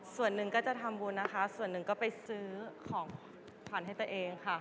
ส่วนหนึ่งก็จะทำบุญนะคะส่วนหนึ่งก็ไปซื้อของขวัญให้ตัวเองค่ะ